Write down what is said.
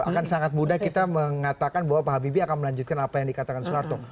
akan sangat mudah kita mengatakan bahwa pak habibie akan melanjutkan apa yang dikatakan soeharto